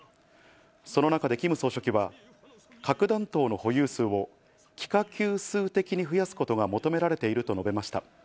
その中でキム総書記は、核弾頭の保有数を幾何級数的に増やすことが求められていると述べました。